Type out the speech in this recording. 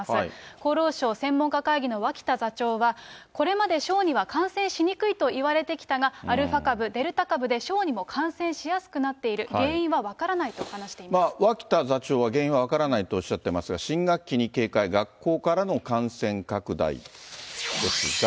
厚労省専門家会議の脇田座長は、これまで小児は感染しにくいといわれてきたが、アルファ株、デルタ株で小児も感染しやすくなっている、原因は分からないと話脇田座長は原因は分からないとおっしゃってますが、新学期に警戒、学校からの感染拡大ですが。